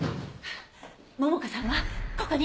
桃香さんはここに。